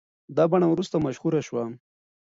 دا بڼه وروسته مشهوره شوه.